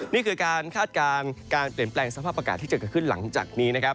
นี่คือการคาดการณ์การเปลี่ยนแปลงสภาพอากาศที่จะเกิดขึ้นหลังจากนี้นะครับ